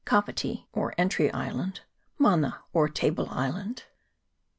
Kapiti, or Entry Island. Mana, or Table Island.